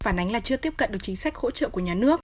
phản ánh là chưa tiếp cận được chính sách hỗ trợ của nhà nước